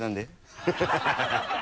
ハハハ